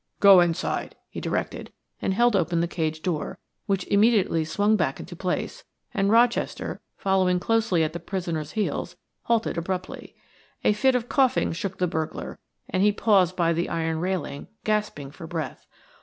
"Go inside," he directed and held open the cage door, which immediately swung back into place, and Rochester, following closely at the prisoner's heels, halted abruptly. A fit of coughing shook the burglar and he paused by the iron railing, gasping for breath.